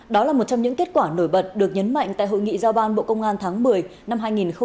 đó là một trong những kết quả nổi bật được nhấn mạnh tại hội nghị giao ban bộ công an tháng một mươi năm hai nghìn hai mươi ba